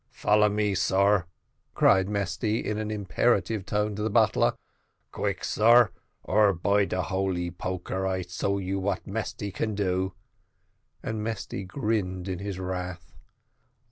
Follow me, sar," cried Mesty, in an imperative tone to the butler; "quick, sar, or by de holy poker, I show you what Mesty can do;" and Mesty grinned in his wrath.